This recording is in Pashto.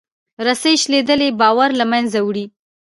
رسۍ شلېدلې باور له منځه وړي.